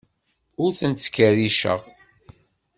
Ur tent-ttkerriceɣ.